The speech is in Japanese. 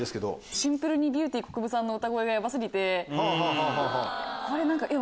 シンプルにビューティーこくぶさんの歌声がヤバ過ぎて。